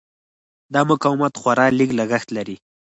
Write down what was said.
دا مقاومت خورا لږ لګښت لري.